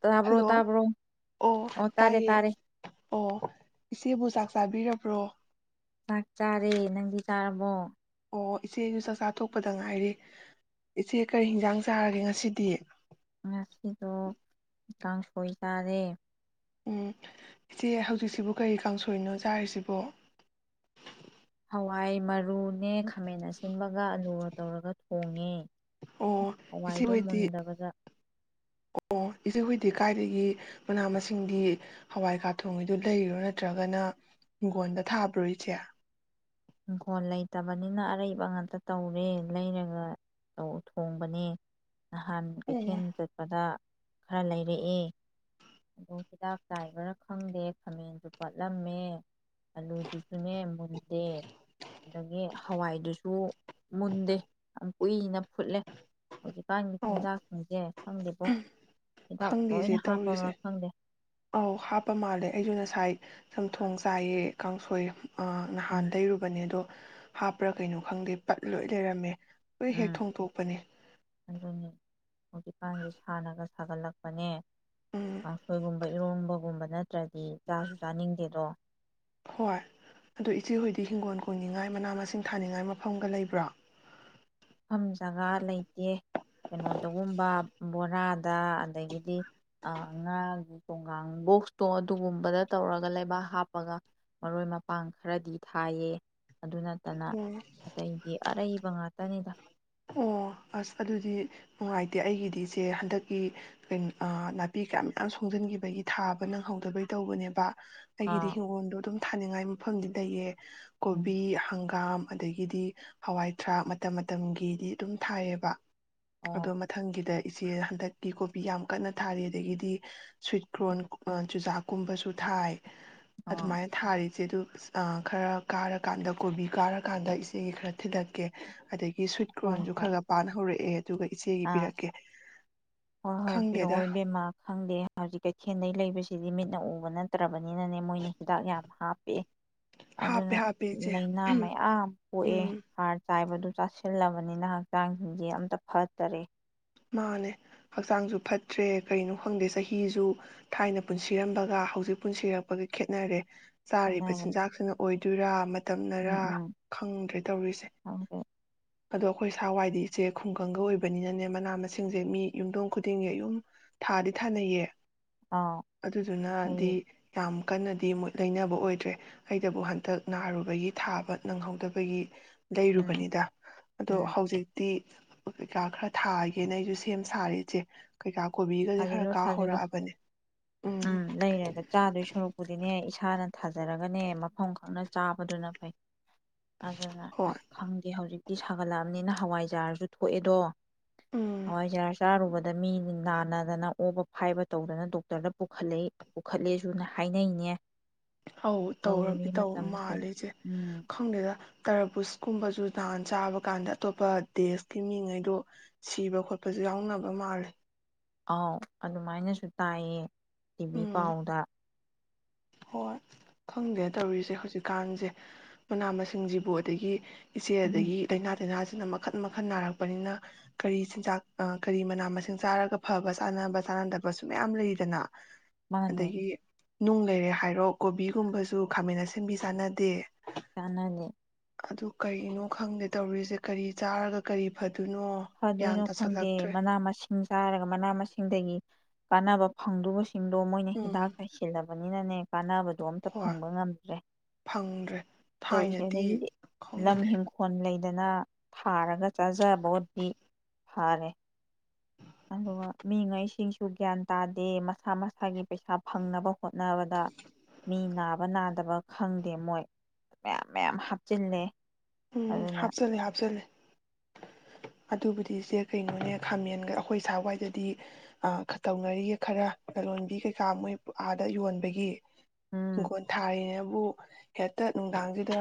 ꯇꯥꯕ꯭ꯔꯣ ꯍꯜꯂꯣ ꯇꯥꯕ꯭ꯔꯣ ꯑꯣ ꯇꯥꯔꯦ ꯇꯥꯏꯌꯦ ꯇꯥꯔꯦ ꯑꯣ ꯏꯆꯦ ꯕꯨ ꯆꯥꯛ ꯆꯥꯕꯤꯔꯕ꯭ꯔꯣ ꯆꯥꯛ ꯆꯥꯔꯦ ꯅꯪꯗꯤ ꯆꯥꯔꯕꯣ ꯑꯣ ꯏꯆꯦꯁꯨ ꯆꯥꯛꯆꯥ ꯇꯣꯛꯄꯗ ꯉꯥꯏꯔꯤ ꯏꯆꯦ ꯀꯔꯤ ꯍꯤꯟꯖꯥꯡ ꯆꯥꯔꯒꯦ ꯉꯁꯤꯗꯤ ꯉꯁꯤꯗꯣ ꯀꯥꯡꯁꯣꯏ ꯆꯥꯔꯦ ꯎꯝ ꯏꯆꯦ ꯍꯧꯖꯤꯛꯁꯤꯕꯨ ꯀꯔꯤ ꯀꯥꯡꯁꯣꯏꯅꯣ ꯆꯥꯔꯤꯁꯤꯕꯣ ꯍꯋꯥꯏ ꯃꯔꯨꯅꯦ ꯈꯥꯃꯦꯟ ꯑꯁꯤꯟꯕꯒ ꯑꯂꯨꯒ ꯇꯧꯔꯒ ꯊꯣꯡꯉꯦ ꯑꯣ ꯍꯋꯥꯏꯗꯣ ꯏꯆꯦꯍꯣꯏꯗꯤ ꯃꯨꯟꯗꯕꯗ ꯑꯣ ꯏꯆꯦꯍꯣꯏꯗꯤ ꯀꯥꯏꯗꯒꯤ ꯃꯅꯥ ꯃꯁꯤꯡꯗꯤ ꯍꯋꯥꯏ ꯀꯥ ꯊꯣꯡꯉꯤꯗꯨ ꯂꯩꯔꯤꯔꯣ ꯅꯠꯇ꯭ꯔꯒꯅ ꯍꯤꯡꯒꯣꯟꯗ ꯊꯥꯕ꯭ꯔꯣ ꯏꯆꯦ ꯏꯪꯈꯣꯜ ꯂꯩꯇꯕꯅꯤꯅ ꯑꯔꯩꯕ ꯉꯥꯛꯇ ꯇꯧꯔꯦ ꯂꯩꯔꯒ ꯊꯣꯡꯕꯅꯦ ꯅꯍꯥꯟ ꯑꯣ ꯀꯩꯊꯦꯜ ꯆꯠꯄꯗ ꯈꯔ ꯂꯩꯔꯛꯑꯦ ꯑꯗꯣ ꯍꯤꯗꯥꯛ ꯆꯥꯏꯕꯔꯥ ꯈꯪꯗꯦ ꯈꯥꯃꯦꯟꯗꯨ ꯄꯠꯂꯝꯃꯦ ꯑꯂꯨꯗꯨꯁꯨꯅꯦ ꯃꯨꯟꯗꯦ ꯑꯗꯒꯤ ꯍꯋꯥꯏꯗꯨꯁꯨ ꯃꯨꯟꯗꯦ ꯌꯥꯝ ꯀꯨꯏꯅ ꯐꯨꯠꯂꯦ ꯑꯣ ꯍꯧꯖꯤꯛꯀꯥꯟꯒꯤꯆꯤꯟꯖꯥꯛꯁꯤꯡꯁꯦ ꯑꯪꯗꯦ ꯀꯣ ꯈꯪꯗꯦꯁꯦ ꯇꯧꯔꯤꯁꯦ ꯑꯧ ꯍꯥꯞꯄ ꯃꯥꯜꯂꯦ ꯑꯩꯁꯨ ꯉꯁꯥꯏ ꯁꯝꯊꯣꯡ ꯆꯥꯏꯌꯦ ꯀꯥꯡꯁꯣꯏ ꯎꯝ ꯅꯍꯥꯟꯗꯒꯩꯔꯨꯕꯅꯦ ꯑꯗꯣ ꯍꯥꯞꯄ꯭ꯔꯥ ꯀꯩꯅꯣ ꯈꯪꯗꯦ ꯄꯠ ꯂꯣꯏ ꯂꯩꯔꯝꯃꯦ ꯂꯣꯏ ꯍꯦꯛ ꯎꯝ ꯊꯣꯡꯗꯣꯛꯄꯅꯦ ꯑꯗꯨꯅꯤ ꯍꯧꯖꯤꯛꯀꯥꯟꯁꯦ ꯁꯥꯟꯅꯒ ꯁꯥꯒꯠꯂꯛꯄꯅꯦ ꯎꯝ ꯑꯈꯣꯏꯒꯨꯝ ꯏꯔꯣꯝꯕꯒꯨꯝꯕ ꯅꯠꯇ꯭ꯔꯗꯤ ꯆꯥꯁꯨ ꯆꯥꯅꯤꯡꯗꯦꯗꯣ ꯍꯣꯏ ꯑꯗꯨ ꯏꯆꯦꯍꯣꯏꯗꯤ ꯍꯤꯡꯒꯣꯜ ꯀꯣꯏꯅꯤꯡꯉꯥꯏ ꯃꯅꯥ ꯃꯁꯤꯡ ꯊꯥꯅꯤꯡꯉꯥꯏ ꯃꯐꯝꯒ ꯂꯩꯕ꯭ꯔꯣ ꯃꯐꯝ ꯖꯒꯥ ꯂꯩꯇꯦ ꯀꯩꯅꯣꯗꯒꯨꯝꯕ ꯕꯣꯔꯥꯗ ꯑꯗꯒꯤꯗꯤ ꯉꯥꯒꯤ ꯊꯣꯡꯒꯥꯡ ꯕꯣꯛꯁꯇꯣ ꯑꯗꯨꯒꯨꯝꯕꯗ ꯇꯧꯔꯒ ꯂꯩꯕꯥꯛ ꯍꯥꯞꯄꯒ ꯃꯔꯣꯏ ꯃꯄꯥꯡ ꯈꯔꯗꯤ ꯊꯥꯏꯌꯦ ꯑꯗꯨ ꯅꯠꯇꯅ ꯎꯝ ꯑꯇꯩꯗꯤ ꯑꯔꯩꯕ ꯉꯥꯛꯇꯅꯤꯗ ꯑꯣ ꯑꯁ ꯑꯗꯨꯗꯤ ꯅꯨꯡꯉꯥꯏꯇꯦ ꯑꯩꯒꯤꯗꯤꯁꯦ ꯍꯟꯗꯛꯀꯤꯑ ꯅꯥꯄꯤ ꯀꯌꯥ ꯃꯌꯥꯝ ꯁꯣꯡꯖꯟꯈꯤꯕꯒꯤ ꯊꯥꯕ ꯅꯪꯍꯧꯗꯕꯩ ꯇꯧꯕꯅꯦꯕ ꯑꯥ ꯑꯩꯒꯤꯗꯤ ꯍꯤꯡꯒꯣꯟꯗꯣ ꯑꯗꯨꯝ ꯊꯥꯅꯤꯡꯉꯥꯏ ꯃꯐꯝꯗꯤ ꯂꯩꯌꯦ ꯎꯝ ꯀꯣꯕꯤ ꯍꯪꯒꯥ ꯍꯪꯒꯥꯝ ꯑꯗꯒꯤꯗꯤ ꯍꯋꯥꯏꯊꯔꯥꯛ ꯃꯇꯝ ꯃꯇꯝꯒꯤ ꯀꯗꯤ ꯑꯗꯨꯝ ꯊꯥꯏꯌꯦꯕ ꯑꯗꯣ ꯑꯣ ꯃꯊꯪꯒꯤꯗ ꯏꯆꯦ ꯍꯟꯗꯛꯀꯤ ꯀꯣꯕꯤ ꯌꯥꯝ ꯀꯟꯅ ꯊꯥꯔꯤ ꯑꯗꯒꯤꯗꯤ ꯁꯨꯏꯀꯣꯟ ꯀꯨꯕ ꯆꯨꯖꯥꯛ ꯨꯀꯨꯝꯕꯁꯨ ꯊꯥꯏ ꯑꯥ ꯑꯗꯨꯃꯥꯏꯅ ꯊꯥꯔꯤꯁꯦ ꯑꯗꯨ ꯑ ꯈꯔ ꯀꯥꯔꯀꯥꯟꯗ ꯀꯣꯕꯤ ꯀꯥꯔꯀꯥꯟꯗ ꯏꯆꯦꯒꯤ ꯈꯔ ꯊꯤꯜꯂꯛꯀꯦ ꯑꯗꯒꯤ ꯍꯣꯏ ꯀ꯭ꯔꯣꯟꯁꯨ ꯈꯔ ꯍꯣꯏ ꯈꯔ ꯄꯥꯟ ꯍꯧꯔꯛꯑꯦ ꯑꯗꯨꯒ ꯏꯆꯦꯒꯤ ꯑꯥ ꯄꯤꯔꯛꯀꯦ ꯍꯣꯏ ꯍꯣꯏ ꯈꯪꯗꯦꯗ ꯄꯤꯔꯛꯑꯣꯏ ꯕꯦꯝꯃꯥ ꯈꯪꯗꯦ ꯍꯧꯖꯤꯛ ꯀꯩꯊꯦꯜꯗꯩ ꯂꯩꯕꯁꯤ ꯁꯤꯗꯤ ꯃꯤꯠꯅ ꯎꯕ ꯅꯠꯇ꯭ꯔ ꯕꯅꯤꯅꯅꯦ ꯃꯣꯏꯅ ꯍꯤꯗꯥꯛ ꯌꯥꯝ ꯍꯥꯞꯄꯦ ꯑꯗꯨꯅ ꯍꯥꯞꯄꯦ ꯍꯥꯞꯄꯦ ꯏꯆꯦ ꯅꯩꯅꯥ ꯃꯌꯥꯝ ꯄꯣꯛꯑꯦ ꯎꯝ ꯍꯥꯔ ꯆꯥꯏꯕꯗꯨ ꯆꯥꯁꯤꯜꯂꯕꯅꯤꯅ ꯍꯛꯆꯥꯡꯁꯤꯡꯁꯦ ꯑꯝꯇ ꯐꯠ ꯇꯔꯦ ꯃꯥꯅꯦ ꯍꯛꯆꯥꯡꯁꯨ ꯐꯠꯇ꯭ꯔꯦ ꯀꯔꯤꯅꯣ ꯈꯪꯗꯦ ꯆꯍꯤꯁꯨ ꯊꯥꯏꯅ ꯄꯨꯟꯁꯤꯔꯝꯕꯒ ꯍꯧꯖꯤꯛ ꯄꯨꯟꯁꯤꯔꯛꯄꯒ ꯈꯦꯠꯅꯔꯦ ꯆꯥꯔꯤꯕ ꯍꯥꯏꯅꯔꯦ ꯆꯤꯟꯖꯥꯛꯁꯤꯅ ꯑꯣꯏꯗꯣꯏꯔꯥ ꯃꯇꯝꯅꯔꯥ ꯎꯝ ꯎꯝ ꯈꯪꯗ꯭ꯔꯦ ꯇꯧꯔꯤꯁꯦ ꯈꯪꯗꯦ ꯑꯗꯣ ꯑꯩꯈꯣꯏ ꯁꯥꯍꯋꯥꯏꯗꯤ ꯏꯆꯦ ꯈꯨꯡꯒꯪꯒ ꯑꯣꯏꯕꯅꯤꯅꯅꯦ ꯃꯅꯥ ꯃꯁꯤꯡꯁꯦ ꯃꯤ ꯌꯨꯝꯊꯣꯡ ꯈꯨꯗꯤꯡꯒꯤ ꯌꯨꯝ ꯊꯥꯗꯤ ꯊꯥꯅꯩꯌꯦ ꯑꯥꯎ ꯍꯩ ꯑꯗꯨꯗꯨꯅꯗꯤ ꯌꯥꯝ ꯀꯟꯅꯗꯤ ꯃꯣꯏ ꯂꯩꯅꯕ ꯑꯣꯏꯗ꯭ꯔꯦ ꯑꯩꯗꯕꯨ ꯍꯟꯇꯛ ꯅꯥꯔꯨꯕꯒꯤ ꯊꯥꯕ ꯅꯪꯍꯧꯗꯕꯒꯤ ꯎꯝ ꯂꯩꯔꯨꯕꯅꯤꯗ ꯑꯗꯣ ꯎꯝ ꯍꯧꯖꯤꯛꯇꯤ ꯀꯩꯀꯥ ꯈꯔ ꯊꯥꯏ ꯒꯦꯅ ꯁꯦꯝ ꯁꯥꯔꯤ ꯏꯆꯦ ꯀꯩꯀꯥ ꯀꯣꯕꯤꯒꯁꯦ ꯈꯔ ꯊꯥꯖꯤꯜꯂꯨ ꯀꯥ ꯊꯥꯖꯤꯜꯂꯣ ꯍꯧꯔꯛꯑꯕꯅꯦ ꯎꯝ ꯂꯩꯔꯦꯒ ꯆꯥꯗꯣꯏ ꯁꯣꯔꯨꯛꯄꯨꯗꯤꯅꯦ ꯏꯁ ꯏꯁꯥꯅ ꯊꯥꯖꯔꯒꯅꯦ ꯃꯐꯝ ꯈꯛꯅ ꯆꯥꯕꯗꯨꯅ ꯐꯩ ꯑꯗꯨꯅ ꯍꯣꯏ ꯑꯁ ꯈꯪꯗꯦ ꯍꯧꯖꯤꯛ ꯁꯤ ꯁꯥꯒꯠꯂꯛꯑꯕꯅꯤꯅ ꯍꯋꯥꯏꯖꯥꯔꯁꯨ ꯊꯣꯛꯑꯦꯗꯣ ꯎꯝ ꯍꯋꯥꯏ ꯖꯥꯔ ꯁꯔꯨ ꯗ ꯃꯤ ꯅ ꯗꯅ ꯑꯣꯕ ꯐꯥꯏꯕ ꯇꯧꯗꯅ ꯗꯣꯛꯇꯔꯗ ꯄꯨꯈꯠꯂꯛꯏ ꯄꯨꯈꯠꯂꯦꯁꯨ ꯍꯥꯏꯅꯩꯅꯦ ꯑꯧ ꯇꯧꯔ ꯇꯧꯔꯤ ꯏ ꯇꯧ ꯃꯇꯝꯁꯦ ꯃꯥꯜꯂꯤ ꯏꯆꯦ ꯎꯝ ꯈꯪꯗꯦꯗ ꯇꯔꯕꯨꯁꯀꯨꯝꯕꯁꯨ ꯅꯍꯥꯟ ꯆꯥꯕ ꯀꯥꯟꯗ ꯑꯇꯣꯞꯄ ꯗꯦꯁꯀꯤ ꯃꯤꯉꯩꯗ ꯁꯤꯕ ꯈꯣꯠꯄꯁꯨ ꯌꯥꯎꯅꯕ ꯃꯥꯜꯂꯦ ꯑꯥꯎ ꯑꯗꯨꯃꯥꯏꯅꯁꯨ ꯇꯥꯏꯌꯦ ꯇꯤꯕꯤ ꯎꯝ ꯄꯥꯎꯗ ꯍꯣꯏ ꯈꯪꯗꯦ ꯇꯧꯔꯤꯁꯦ ꯍꯧꯖꯤꯛꯀꯥꯟꯁꯦ ꯃꯅꯥ ꯃꯁꯤꯡꯁꯤꯕꯨ ꯑꯗꯒꯤ ꯏꯆꯦ ꯎꯝ ꯑꯗꯒꯤ ꯂꯩꯅꯥ ꯇꯤꯟꯅꯥꯁ ꯑꯁꯤꯅ ꯃꯈꯟ ꯃꯈꯜ ꯅꯥꯔꯛꯄꯅꯤꯅ ꯀꯔꯤ ꯆꯤꯟꯖꯥꯛ ꯀꯔꯤ ꯃꯅꯥ ꯃꯁꯤꯡ ꯆꯥꯔꯒ ꯐꯕ ꯆꯥꯟꯅꯕ ꯆꯥꯟꯅꯗꯕꯁꯨ ꯃꯌꯥꯝ ꯂꯩꯔꯤꯗꯅ ꯃꯥꯅꯦ ꯑꯗꯒꯤ ꯅꯨꯡ ꯂꯩꯔꯦ ꯍꯥꯏꯔꯣ ꯀꯣꯕꯤꯒꯨꯝꯕꯁꯨ ꯈꯥꯃꯦꯟ ꯑꯥꯁꯤꯟꯕꯤ ꯆꯥꯟꯅꯗꯦ ꯆꯥꯅꯗꯦ ꯀꯔꯤꯅꯣ ꯈꯪꯗꯦ ꯇꯧꯔꯤꯁꯦ ꯀꯔꯤ ꯆꯥꯔꯒ ꯀꯔꯤ ꯐꯠ ꯐꯗꯣꯏꯅꯣ ꯈꯪꯗꯦ ꯃꯅꯥ ꯃꯁꯤꯡ ꯏꯁꯤꯡ ꯆꯥꯔꯒ ꯃꯅꯥ ꯃꯁꯤꯡꯗꯒꯤ ꯀꯥꯟꯅꯕ ꯐꯪꯗꯕꯁꯤꯡ ꯁꯤꯡꯗꯣ ꯃꯣꯏꯅ ꯍꯤꯗꯥꯛ ꯎꯝ ꯀꯥꯏꯁꯤꯜꯂꯕ ꯕꯅꯤꯅꯅꯦ ꯀꯥꯟꯅꯕꯗꯣ ꯑꯝꯇ ꯍꯣꯏ ꯐꯪꯕ ꯉꯝꯗ꯭ꯔꯦ ꯐꯪꯗ꯭ꯔꯦ ꯇꯧꯔꯤꯁꯦ ꯊꯥꯏꯅꯗꯤ ꯑꯗꯒꯤꯗꯤ ꯂꯝ ꯈꯪꯗꯦ ꯏꯤꯡꯈꯣꯜ ꯂꯩ ꯑꯗꯨꯅ ꯊꯥꯔꯒ ꯆꯥꯖꯕ ꯐꯔꯦ ꯑꯗꯨꯒ ꯃꯤꯉꯩꯁꯤꯡꯁꯨ ꯒ꯭ꯌꯥꯟ ꯇꯥꯗꯦ ꯃꯁꯥ ꯃꯁꯥꯒꯤ ꯄꯩꯁꯥ ꯐꯪꯅꯕ ꯍꯣꯠꯅꯕꯗ ꯃꯤ ꯅꯥꯕ ꯅꯥꯗꯕ ꯈꯪꯗꯦ ꯃꯣꯏ ꯃꯌꯥꯝ ꯃꯌꯥꯝ ꯍꯥꯞꯆꯤꯜꯂꯦ ꯎꯝ ꯑꯗꯨꯅ ꯍꯥꯞꯆꯜꯂꯦ ꯍꯥꯞꯆꯂꯦ ꯑꯗꯨꯕꯨꯗꯤ ꯏꯆꯦ ꯀꯩꯅꯣꯅꯦ ꯈꯥꯃꯦꯟꯒ ꯑꯩꯈꯣꯏ ꯁꯥꯏꯋꯥꯏꯗꯗꯤ ꯑ ꯇꯧꯅꯔꯤꯌꯦ ꯈꯔ ꯂꯂꯣꯟꯕꯤ ꯀꯩꯀꯥ ꯃꯣꯏ ꯑꯥꯗ ꯌꯣꯟꯕꯒꯤ ꯎꯝ ꯏꯪꯈꯣꯟ ꯊꯥꯔꯤꯅꯦꯅ ꯕꯨ ꯍꯦꯛꯇ ꯅꯨꯡꯗꯥꯡꯁꯤꯗ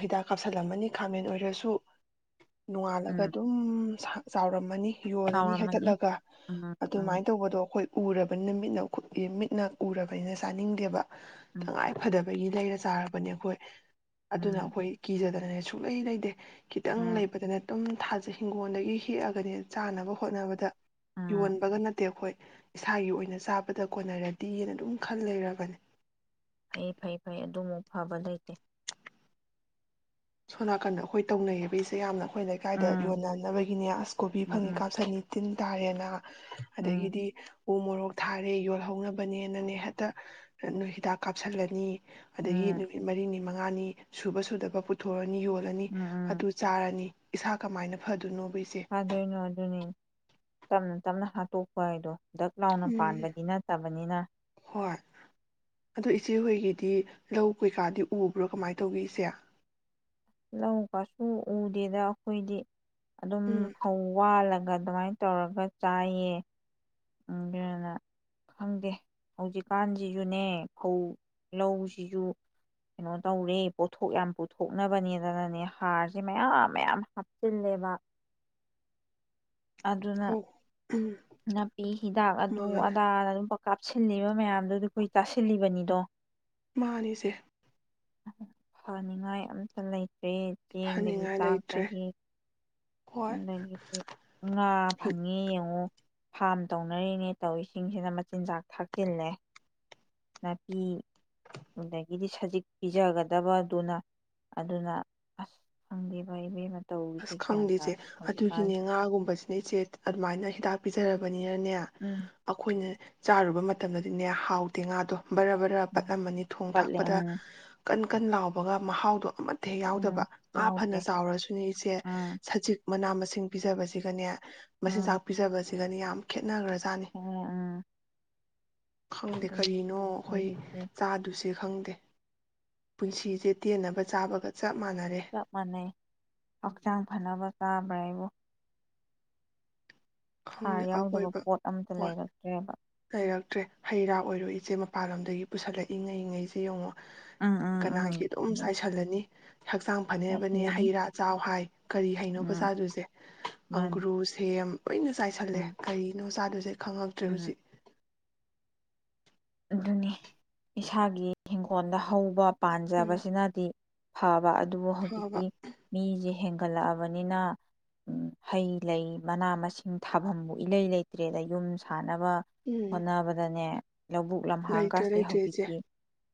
ꯍꯤꯗꯥꯛ ꯀꯥꯞꯁꯤꯜꯂꯝꯃꯅꯤ ꯈꯥꯃꯦꯟ ꯑꯣꯏꯔꯁꯨ ꯎꯝ ꯑꯗꯨꯝ ꯆꯥꯎꯔꯝꯃꯅꯤ ꯌꯣꯜꯂꯅꯤ ꯁꯥꯎꯔꯝꯃꯅꯤ ꯍꯩꯊꯠꯂꯒ ꯎꯝ ꯎꯝ ꯑꯗꯨꯃꯥꯏꯅ ꯇꯧꯕꯗꯣ ꯑꯩꯈꯣꯏ ꯎꯔꯕꯅꯤꯅ ꯃꯤꯠꯅ ꯃꯤꯠꯅ ꯎꯔꯕꯅꯤꯅ ꯆꯥꯅꯤꯡꯗꯦꯕ ꯎꯝ ꯇꯉꯥꯏ ꯐꯗꯕꯒꯤ ꯂꯩꯔ ꯆꯥꯔꯕꯅꯦ ꯑꯩꯈꯣꯏ ꯑꯗꯨꯅ ꯎꯝ ꯑꯩꯈꯣꯏ ꯀꯤꯖꯗꯅ ꯅꯦ ꯁꯨꯛꯂꯩ ꯂꯩꯇꯦ ꯈꯤꯇꯪ ꯎꯝ ꯂꯩꯕꯗꯅ ꯑꯗꯨꯝ ꯊꯥꯖꯦ ꯍꯤꯡꯒꯣꯜꯗꯒꯤ ꯍꯦꯛꯑꯒꯅꯦ ꯆꯥꯅꯕ ꯍꯣꯠꯅꯕꯗ ꯎꯝ ꯌꯣꯟꯕꯒ ꯅꯠꯇꯦ ꯑꯩꯈꯣꯏ ꯏꯁꯥꯒꯤ ꯑꯣꯏꯅ ꯆꯥꯕꯗ ꯀꯣꯟꯅꯔꯗꯤꯅ ꯑꯗꯨꯝ ꯈꯜ ꯂꯩꯔꯕꯅꯦ ꯐꯩ ꯐꯩ ꯐꯩ ꯑꯗꯨꯃꯨꯛ ꯐꯕ ꯂꯩꯇꯦ ꯁꯣ ꯅꯥꯀꯟꯗ ꯑꯩꯈꯣꯏ ꯇꯧꯅꯩꯌꯦꯕ ꯏꯆꯦ ꯌꯥꯝꯅ ꯑꯩꯈꯣꯏ ꯂꯩꯀꯥꯏꯗ ꯎꯝ ꯌꯣꯟꯅꯅꯕꯒꯤꯅꯦ ꯑꯁ ꯀꯣꯕꯤ ꯎꯝ ꯐꯪꯉꯦ ꯎꯝ ꯀꯥꯞꯁꯥꯅꯤ ꯇꯤꯟ ꯇꯥꯔꯦꯅ ꯎꯝ ꯑꯗꯒꯤꯗꯤ ꯎ ꯃꯣꯔꯣꯛ ꯊꯥꯔꯦ ꯌꯣꯜꯍꯧꯅꯕꯅꯦꯅꯅꯦ ꯍꯦꯛꯇ ꯅꯣꯏ ꯍꯤꯗꯥꯛ ꯀꯥꯞꯁꯤꯜꯂꯅꯤ ꯑꯗꯒꯤ ꯎꯝ ꯅꯨꯃꯤꯠ ꯃꯔꯤꯅꯤ ꯃꯉꯥꯅꯤ ꯁꯨꯕ ꯁꯨꯗꯕ ꯕꯨꯠ ꯊꯣꯏ ꯑꯅꯤ ꯌꯣꯜꯂꯅꯤ ꯎꯝ ꯎꯝ ꯑꯗꯨ ꯆꯥꯔꯅꯤ ꯏꯁꯥ ꯀꯃꯥꯏꯅ ꯐꯗꯣꯏꯅꯣ ꯐꯗꯣꯏꯅꯣ ꯑꯗꯨꯅꯤ ꯇꯞꯅ ꯇꯞꯅ ꯍꯥꯠꯇꯣꯛꯄ ꯍꯥꯏꯗꯣ ꯗꯛ ꯂꯥꯎꯅ ꯄꯥꯟꯕꯗꯤ ꯅꯠꯇꯕꯅꯤꯅ ꯑꯗꯨ ꯏꯆꯦꯍꯣꯏꯒꯤꯗꯤ ꯂꯧ ꯀꯩꯀꯥꯗꯤ ꯎꯕ꯭ꯔꯥ ꯀꯃꯥꯏꯅ ꯇꯧꯒꯦ ꯏꯆꯦ ꯂꯧ ꯀꯁꯨ ꯎꯗꯦꯗ ꯑꯩꯈꯣꯏꯗꯤ ꯑꯗꯨꯝ ꯎꯝ ꯐꯧ ꯋꯥꯜꯂꯒ ꯑ ꯑꯗꯨꯃꯥꯏꯅ ꯇꯧꯔꯒ ꯆꯥꯏꯌꯦ ꯑꯗꯨꯅ ꯈꯪꯗꯦ ꯍꯧꯖꯤꯛꯀꯥꯟꯁꯤꯁꯨꯅꯦ ꯐꯧ ꯂꯧꯁꯤꯁꯨ ꯀꯩꯅꯣ ꯇꯧꯔꯦ ꯄꯣꯠꯊꯣꯛ ꯌꯥꯝ ꯄꯨꯊꯣꯛꯅꯕꯅꯦꯗꯅꯅꯦ ꯍꯥꯔꯁꯦ ꯃꯌꯥꯝ ꯃꯌꯥꯝ ꯍꯥꯞꯆꯤꯜꯂꯦꯕ ꯑꯗꯨꯅ ꯍ ꯎꯝ ꯅꯥꯄꯤ ꯍꯤꯗꯥꯛ ꯑꯗꯨ ꯃꯥꯅꯦ ꯑꯗꯥꯗ ꯑꯗꯨꯝ ꯀꯥꯞꯁꯤꯜꯂꯤꯕ ꯃꯌꯥꯝꯗꯨꯗ ꯑꯩꯈꯣꯏ ꯇꯥꯁꯤꯜꯂꯤꯕꯅꯤꯗꯣ ꯃꯥꯅꯤꯁꯦ ꯐꯅꯤꯡꯉꯥꯏ ꯑꯝꯇ ꯂꯩꯇꯦ ꯆꯦ ꯆꯦꯡꯗꯒꯤ ꯐꯅꯤꯡꯉꯥꯏ ꯂꯩꯇ꯭ꯔꯦ ꯇꯥꯛꯇꯒꯤ ꯍꯣꯏ ꯑꯗꯒꯤꯗꯤ ꯉꯥ ꯐꯪꯉꯤ ꯌꯦꯡꯉꯣ ꯐꯥꯝ ꯇꯧꯅꯔꯤꯉꯩ ꯇꯧꯔꯤꯁꯤꯡꯁꯤꯅ ꯃꯆꯤꯟꯖꯥꯛ ꯊꯥꯛꯆꯤꯜꯂꯦ ꯅꯥꯄꯤ ꯑꯗꯒꯤꯗꯤ ꯁꯖꯤꯛ ꯄꯤꯖꯒꯗꯕꯗꯨꯅ ꯑꯗꯨꯅ ꯑꯁ ꯈꯪꯕ ꯏꯕꯦꯝ ꯑꯁ ꯈꯪꯗꯦꯆꯦ ꯑꯗꯨꯒꯤꯅꯦ ꯉꯥꯒꯨꯝꯕꯁꯤꯅ ꯏꯆꯦ ꯑꯗꯨꯃꯥꯏꯅ ꯍꯤꯗꯥꯛ ꯄꯤꯖꯔꯕꯅꯤ ꯎꯝ ꯑꯈꯣꯏꯅ ꯆꯥꯔꯨꯕ ꯇꯝꯗꯗꯤꯅꯦ ꯍꯥꯎꯗꯦ ꯉꯥꯗꯣ ꯕꯔ ꯕꯔ ꯎꯝ ꯄꯠꯂꯝꯃꯅꯤ ꯊꯣꯡ ꯄꯠꯂꯦ ꯊꯥꯛꯄꯗ ꯎꯝ ꯀꯟ ꯀꯟ ꯂꯥꯎꯕꯒ ꯃꯍꯥꯎꯗꯣ ꯑꯃꯠꯇ ꯍꯦꯛ ꯌꯥꯎꯗꯕ ꯎꯝ ꯉꯥ ꯐꯅ ꯌꯥꯎꯗ꯭ꯔꯦ ꯆꯥꯎꯔꯁꯨ ꯂꯩꯁꯦ ꯎꯝ ꯁꯖꯤꯛ ꯃꯅꯥ ꯃꯁꯤꯡ ꯄꯤꯖꯕꯁꯤꯒꯅꯦ ꯃꯆꯤꯟ ꯖꯥꯛ ꯄꯤꯖꯕꯁꯦ ꯁꯤꯒꯅꯤ ꯌꯥꯝ ꯈꯦꯠꯅꯈ꯭ꯔꯁꯦ ꯑꯣ ꯎꯪ ꯈꯪꯗꯦ ꯀꯔꯤꯅꯣ ꯑꯩꯈꯣꯏ ꯍꯧꯖꯤꯛꯁꯦ ꯆꯥꯗꯨꯁꯦ ꯈꯪꯗꯦ ꯄꯨꯟꯁꯤꯁꯦ ꯇꯦꯟꯅꯕ ꯆꯥꯕꯒ ꯆ ꯆꯞ ꯃꯥꯟꯅꯔꯦ ꯆꯞ ꯃꯥꯟꯅꯩ ꯍꯛꯆꯥꯡ ꯐꯅꯕ ꯆꯥꯕ꯭ꯔꯥ ꯍꯥꯏꯕꯨ ꯍꯥꯔ ꯈꯪꯗ ꯌꯥꯎꯗꯕ ꯑꯀꯣꯏꯕ ꯄꯣꯠ ꯑꯝꯇ ꯋꯥꯠ ꯂꯩꯔꯛꯇ꯭ꯔꯦꯕ ꯂꯩꯔꯛꯇ꯭ꯔꯦ ꯍꯩ ꯔꯥ ꯑꯣꯏꯔꯣꯏꯏ ꯏꯆꯦ ꯃꯄꯥꯟ ꯂꯝꯣꯝꯗꯒꯤ ꯄꯨꯁꯜꯂꯛꯏ ꯉꯩꯉꯩꯁꯦ ꯌꯦꯡꯉꯣ ꯎꯝ ꯎꯝ ꯎꯝ ꯀꯅꯥꯒꯤ ꯑꯗꯨꯝ ꯎꯝ ꯆꯥꯏꯁꯜꯂꯅꯤ ꯍꯛꯆꯥꯡ ꯐꯅꯕꯅꯦ ꯌꯥꯁꯤꯜꯂꯅꯤ ꯍꯩ ꯔꯥ ꯆꯥꯎ ꯍꯥꯏ ꯀꯔꯤ ꯎꯝ ꯍꯥꯏꯩꯅꯣꯕꯆꯥꯗꯨꯁꯦ ꯃꯥꯅꯤ ꯑꯪꯒ꯭ꯔꯨ ꯁꯦꯝ ꯂꯣꯏꯅ ꯎꯝ ꯆꯥꯏꯁꯜꯂꯦ ꯀꯔꯤꯅꯣ ꯆꯥꯗ ꯈꯪꯉꯛꯇ꯭ꯔꯦ ꯎꯝ ꯍꯧꯖꯤꯛ ꯑꯗꯨꯅꯤ ꯏꯁꯥꯒꯤ ꯏꯪꯈꯣꯜꯗ ꯍꯧꯕ ꯎꯝ ꯄꯥꯟꯖꯕꯁꯤꯅꯗꯤ ꯍꯥꯥꯎ ꯑꯗꯨꯕꯨ ꯐꯕ ꯍꯧꯖꯤꯛꯇꯤ ꯃꯤꯁꯦ ꯍꯦꯟꯒꯠꯂꯛꯑꯕꯅꯤꯅ ꯍꯩ ꯂꯩ ꯃꯅꯥ ꯃꯁꯤꯡ ꯊꯥꯐꯝꯕꯨ ꯏꯂꯩ ꯂꯩꯇ꯭ꯔꯦꯗ ꯌꯨꯝ ꯁꯥꯟꯅꯕ ꯕꯥ ꯎꯝ ꯍꯣꯠꯅꯕꯗꯅꯦ ꯂꯧꯕꯨꯛ ꯂꯩꯇ꯭ꯔꯦ ꯂꯝꯍꯥꯡꯒꯁꯦ ꯂꯩꯇ꯭ꯔꯦ ꯏꯆꯦ ꯍꯧꯖꯤꯛꯇꯤ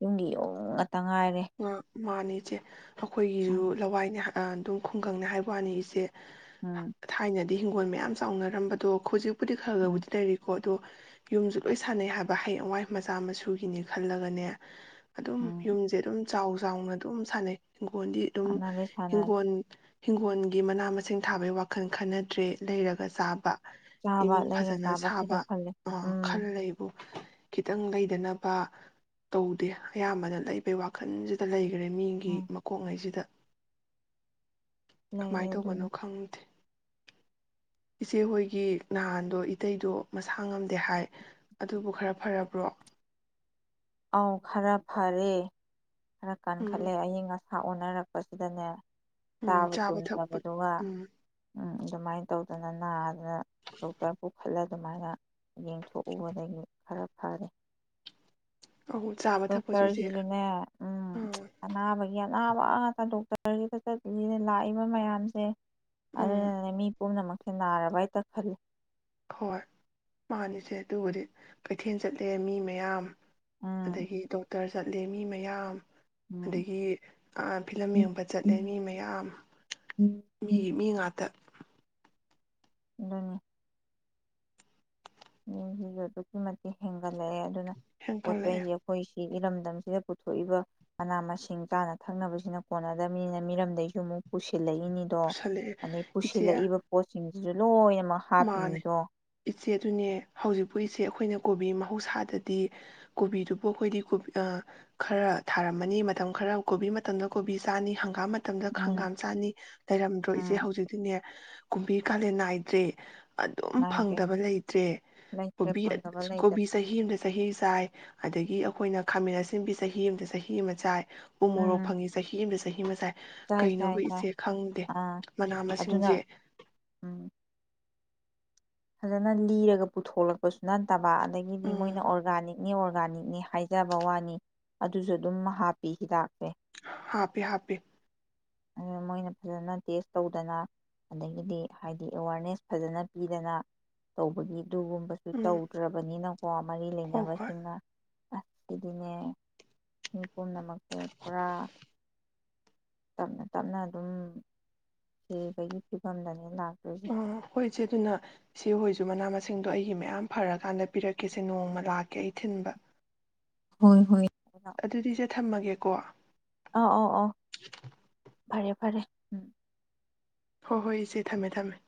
ꯌꯨꯡꯒꯤ ꯌꯨꯝ ꯉꯥ ꯑ ꯃꯥꯅꯤ ꯏꯆꯦ ꯑꯩꯈꯣꯏꯒꯤꯁꯨ ꯎꯝ ꯂꯋꯥꯏꯅꯦ ꯑꯗꯨ ꯈꯨꯡꯒꯪꯅꯦ ꯍꯥꯏꯕ ꯋꯥꯅꯤ ꯏꯆꯦ ꯎꯝ ꯊꯥꯏꯅꯗꯤ ꯍꯤꯡꯒꯣꯜ ꯃꯌꯥꯝ ꯆꯥꯎꯅꯔꯝꯕꯗꯣ ꯈꯨꯖꯤꯛ ꯄꯨꯗꯤ ꯎꯝ ꯈꯒꯕꯨꯗꯤ ꯂꯩꯔꯤꯀꯣ ꯑꯗꯣ ꯌꯨꯝꯁꯨ ꯂꯣꯏ ꯁꯥꯟꯅꯩ ꯍꯥꯏꯕ ꯍꯌꯦꯡꯋꯥꯏ ꯃꯆꯥ ꯃ ꯁꯨꯒꯤꯅꯤ ꯈꯜꯂꯒꯅꯦ ꯑꯗꯨꯝ ꯎꯝ ꯌꯨꯝꯁꯦ ꯑꯗꯨꯝ ꯆꯥꯎ ꯆꯥꯎꯅ ꯑꯗꯨꯝ ꯁꯥꯟꯅꯩ ꯍꯤꯡꯒꯣꯜꯗꯤ ꯑꯗꯨꯝ ꯁꯥꯟꯅꯔꯦ ꯁꯥꯟꯅꯔꯦ ꯍꯤꯡꯒꯣꯟ ꯍꯤꯡꯒꯣꯜꯒꯤ ꯃꯅꯥ ꯃꯁꯤꯡ ꯊꯥꯕꯒꯤ ꯋꯥꯈꯜ ꯈꯟꯅꯗ꯭ꯔꯦ ꯂꯩꯔꯒ ꯆꯥꯕ ꯆꯥꯕ ꯏꯃꯨꯡ ꯂꯩꯔ ꯐꯖꯅ ꯆꯥꯕꯁꯤꯗ ꯁꯥꯕ ꯈꯜꯂꯦ ꯑ ꯎꯝ ꯈꯜ ꯂꯩꯕꯨ ꯈꯤꯇꯪ ꯂꯩꯗꯅꯕ ꯇꯧꯗꯦ ꯑꯌꯥꯝꯕꯅ ꯂꯩꯕꯩ ꯋꯥ ꯈꯟꯁꯤꯗ ꯂꯩ [unintelligible] ꯃꯤꯒꯤ ꯎꯝ ꯃꯀꯣꯛꯉꯩꯁꯤꯗ ꯂꯩꯔꯦ ꯀꯃꯥꯏꯅ ꯑꯗꯨꯅꯤ ꯇꯧꯕꯅꯣ ꯈꯪꯗꯦ ꯏꯆꯦꯍꯣꯏꯒꯤ ꯅꯍꯥꯟꯗꯣ ꯏꯇꯩꯗꯣ ꯃꯁꯥ ꯉꯝꯗꯦ ꯍꯥꯏ ꯑꯗꯨꯕꯨ ꯈꯔ ꯐꯔꯕ꯭ꯔꯣ ꯑꯥꯎ ꯈꯔ ꯐꯔꯦ ꯈꯔ ꯎꯝ ꯀꯟꯈꯠꯂꯦ ꯑꯏꯪ ꯑꯁꯥ ꯑꯣꯅꯔꯛꯄꯁꯤꯗꯅꯦ ꯎꯝ ꯆꯥꯕ ꯊꯛꯄ ꯇꯨꯃꯗꯕꯗꯨꯉ ꯎꯝ ꯎꯝ ꯑꯗꯨꯃꯥꯏꯅ ꯇꯧꯗꯅ ꯅꯥ ꯗꯣꯛꯇꯔ ꯄꯨꯈꯥꯠ ꯑꯗꯨꯃꯥꯏꯅ ꯌꯦꯡꯊꯣꯛꯎꯕꯗꯒꯤ ꯈꯔ ꯐꯔꯦ ꯑꯧ ꯆꯥꯕ ꯊꯛꯄꯁꯨ ꯏꯆꯦ ꯗꯣꯛꯇꯔꯁꯤꯁꯨꯅꯦ ꯎꯝ ꯑꯅꯥꯕꯒꯤ ꯅꯕꯥ ꯑꯥ ꯇꯥꯅꯥ ꯗꯣꯛꯇꯔꯒꯤꯗ ꯆꯠꯄꯁꯤꯅꯦ ꯂꯥꯛꯏꯕ ꯃꯌꯥꯝꯁꯦ ꯎꯝ ꯑꯗꯨꯅꯥꯅꯦ ꯃꯤ ꯄꯣꯃꯅꯥꯃꯛ ꯁꯦ ꯅꯥꯔꯕ ꯍꯥꯏꯇ ꯈꯜꯂꯤ ꯍꯣꯏ ꯃꯥꯅꯤ ꯏꯆꯦ ꯑꯗꯨꯕꯨꯗꯤ ꯀꯩꯊꯦꯜ ꯆꯠꯂꯦ ꯃꯤ ꯃꯌꯥꯝ ꯎꯝ ꯑꯗꯒꯤ ꯗꯣꯛꯇꯔꯁ ꯆꯠꯂꯦ ꯃꯤ ꯃꯌꯥꯝ ꯎꯝ ꯑꯗꯒꯤ ꯐꯤꯂꯝ ꯌꯦꯡꯕ ꯆꯠꯂꯦ ꯎꯝ ꯃꯤ ꯃꯌꯥꯝ ꯎꯝ ꯃꯤꯒꯤ ꯎꯝ ꯃꯤ ꯉꯥꯛꯇ ꯑꯗꯨꯅꯤ ꯃꯤꯁꯤꯁꯨ ꯑꯗꯨꯛꯀꯤ ꯃꯇꯤꯛ ꯂꯛꯑꯦ ꯑꯗꯨꯅ ꯄꯣꯠ ꯍꯦꯟꯀꯠꯂꯛꯑꯦ ꯆꯩꯩꯁꯦ ꯑꯩꯈꯣꯏ ꯏꯔꯝꯗꯝꯁꯤꯗ ꯄꯨꯊꯣꯛꯏꯕ ꯃꯅꯥ ꯃꯁꯤꯡ ꯆꯥꯅ ꯊꯛꯅꯕꯁꯤꯅ ꯀꯣꯟꯅꯗꯕꯅꯤꯅ ꯃꯤꯔꯝꯗꯒꯤꯁꯨ ꯑꯃꯨꯛ ꯄꯨꯁꯤꯜꯂꯛ ꯅꯤꯗꯣ ꯄꯨꯁꯜꯂꯛꯑꯦ ꯑꯗꯩ ꯏꯆꯦ ꯄꯨꯁꯤꯜꯂꯛꯕ ꯄꯣꯠ ꯁꯤꯡꯁꯤꯁꯨ ꯂꯣꯏ ꯃꯥꯅꯦ ꯍꯥꯞꯄꯤꯅꯤꯗꯣ ꯏꯆꯦ ꯑꯗꯨꯅꯦ ꯍꯧꯖꯤꯛꯄꯨ ꯏꯆꯦ ꯑꯩꯈꯣꯏꯅ ꯀꯣꯕꯤ ꯃꯍꯧꯁꯥꯗꯗꯤ ꯀꯣꯕꯤꯗꯨꯕꯨ ꯑꯩꯈꯣꯏꯗꯤ ꯈꯔ ꯊꯥꯔꯝꯃꯅꯤ ꯃꯇꯝ ꯈꯔ ꯀꯣꯕꯤ ꯃꯇꯝꯗ ꯀꯣꯕꯤ ꯆꯥꯅꯤ ꯍꯪꯒꯥꯝ ꯃꯇꯝꯗ ꯎꯝ ꯍꯪꯒꯥꯝ ꯆꯥꯅꯤ ꯂꯩꯔꯝꯗ꯭ꯔꯣ ꯏꯆꯦ ꯎꯝ ꯍꯧꯖꯤꯛꯇꯤꯅꯦ ꯀꯨꯝꯕꯤ ꯀꯥꯂꯦꯟ ꯅꯥꯏꯗ꯭ꯔꯦ ꯑꯗꯨꯝ ꯅꯥꯏꯗ꯭ꯔꯦ ꯐꯪꯗꯕ ꯂꯩꯇ꯭ꯔꯦ ꯂꯩꯇ꯭ꯔꯦ ꯀꯣꯕꯤ ꯐꯪꯗꯕ ꯂꯩꯇ꯭ꯔꯦ ꯀꯣꯕꯤ ꯆꯍꯤ ꯑꯃꯗ ꯆꯍꯤ ꯆꯥꯏ ꯑꯗꯒꯤ ꯗꯒꯤ ꯑꯩꯈꯣꯏꯅ ꯈꯥꯃꯦꯟ ꯑꯁꯤꯟꯕꯤ ꯆꯍꯤ ꯑꯃꯗ ꯆꯍꯤ ꯑꯃ ꯆꯥꯏ ꯎꯃꯣꯔꯣꯛ ꯎꯝ ꯐꯪꯉꯤ ꯆꯍꯤ ꯑꯃꯗ ꯆꯍꯤ ꯑꯃ ꯆꯥꯏ ꯆꯥꯏ ꯀꯩꯅꯣꯕꯨ ꯆꯥꯏ ꯏꯆꯦ ꯈꯪꯗꯦ ꯑꯥ ꯃꯅꯥ ꯃꯁꯤꯡꯁꯦ ꯑꯗꯨꯅ ꯎꯝ ꯐꯖꯅ ꯂꯤꯔꯒ ꯄꯨꯊꯣꯛꯂꯛꯄꯁꯨ ꯅꯠꯇꯕ ꯑꯗꯒꯤꯗꯤ ꯃꯣꯏꯅ ꯎꯝ ꯑꯣꯔꯒꯥꯅꯤꯛꯅꯤ ꯑꯣꯔꯒꯥꯅꯤꯛꯅꯤ ꯍꯥꯏꯖꯕ ꯋꯥꯅꯤ ꯑꯗꯨꯁꯨ ꯑꯗꯨꯝ ꯍꯥꯞꯄꯤ ꯍꯤꯗꯥꯛꯁꯦ ꯍꯥꯄꯦ ꯍꯥꯄꯦ ꯑꯗꯨꯅ ꯃꯣꯏꯅ ꯐꯖꯅ ꯇꯦꯁ ꯇꯧꯗꯅ ꯑꯗꯒꯤꯗꯤ ꯍꯥꯏꯗꯤ ꯑꯦꯋꯥꯔꯅꯦꯁ ꯐꯖꯅ ꯄꯤꯗꯅ ꯇꯧꯕꯒꯤ ꯑꯗꯨꯒꯨꯝꯕꯁꯨ ꯎꯝ ꯇꯧꯗ꯭ꯔꯕꯅꯤꯅꯀꯣ ꯃꯔꯤ ꯍꯣꯏ ꯍꯣꯏ ꯂꯩꯅꯕꯁꯤꯡꯅ ꯑꯁꯤꯗꯤꯅꯦ ꯃꯤ ꯄꯨꯝꯅꯃꯛꯁꯦ ꯄꯨꯔꯥ ꯇꯞꯅ ꯇꯞꯅ ꯑꯗꯨꯝ ꯁꯤꯕꯒꯤ ꯐꯤꯕꯝꯗꯅꯤ ꯂꯥꯛ ꯎꯝ ꯍꯣꯏ ꯏꯆꯦ ꯑꯗꯨꯅ ꯏꯆꯦ ꯍꯣꯏꯁꯨ ꯃꯅꯥ ꯃꯁꯤꯡ ꯁꯤꯡꯗꯣ ꯑꯩꯒꯤ ꯃꯌꯥꯝ ꯐꯔꯀꯥꯟꯗ ꯄꯤꯔꯛꯀꯦꯁꯦ ꯅꯣꯡꯃ ꯂꯥꯛꯀꯦ ꯑꯩ ꯊꯤꯟꯕ ꯍꯣꯏ ꯍꯣꯏ ꯑꯗꯨꯗꯤ ꯏꯆꯦ ꯊꯝꯃꯒꯦꯀꯣ ꯑꯧ ꯑꯧ ꯑꯧ ꯐꯔꯦ ꯐꯔꯦ ꯎꯝ ꯍꯣꯏ ꯍꯣꯏ ꯏꯆꯦ ꯊꯝꯃꯦ ꯊꯝꯃꯦ